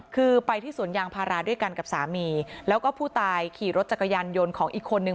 คือไปที่สวนยางพาราด้วยกันกับสามีแล้วก็ผู้ตายขี่รถจักรยานยนต์ของอีกคนนึง